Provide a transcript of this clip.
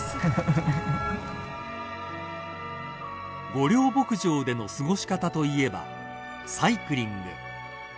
［御料牧場での過ごし方といえばサイクリング］